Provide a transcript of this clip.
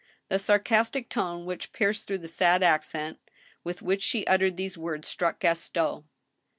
The sarcastic tone which pierced through the sad accent with which she uttered these words struck Gaston.